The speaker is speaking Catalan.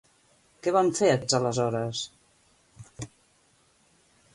Què van fer aquests aleshores?